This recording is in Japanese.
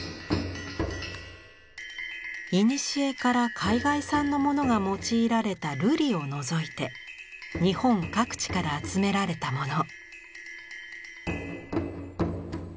いにしえから海外産のものが用いられた瑠璃を除いて日本各地から集められたもの。